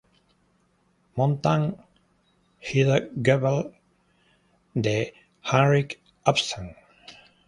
Montan "Hedda Gabler", de Henrik Ibsen.